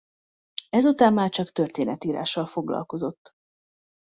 Ezután már csak történetírással foglalkozott.